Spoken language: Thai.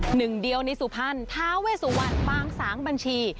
หนึ่งเดียวในสุพรรณทาเวสุวรรณปางสางบัญชี